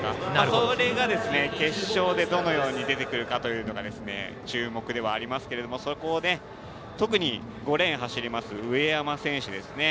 それが決勝でどのように出てくるかというのが注目ではありますがそこを、特に５レーンを走ります上山選手ですね。